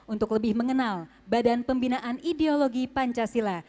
untuk lebih mengenal badan pembinaan ideologi pancasila